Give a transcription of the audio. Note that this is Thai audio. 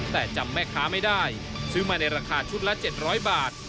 แต่จำแม่ค้าไม่ได้ซื้อมาในราคาชุดละ๗๐๐บาท